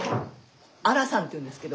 荒さんっていうんですけど。